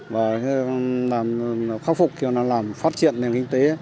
và khắc phục làm phát triển nền kinh tế